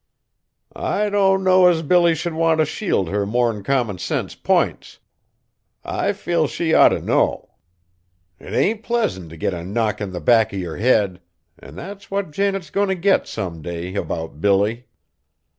"I don't know as Billy should want t' shield her more'n common sense p'ints. I feel she ought t' know. 'T ain't pleasant t' get a knock in the back of yer head; an' that's what Janet's goin' t' get some day about Billy."